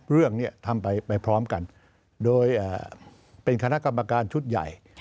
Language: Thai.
เรื่องนี้ทำไปพร้อมกันโดยเป็นคณะกรรมการชุดใหญ่